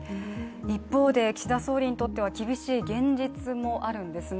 一方で岸田総理にとっては厳しい現実もあるんですね。